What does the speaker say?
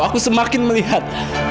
aku semakin melihat